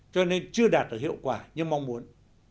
cho nên chưa đạt được hiệu quả như mong muốn